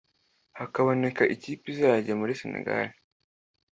hakaboneka ikipe izajya muri Senegal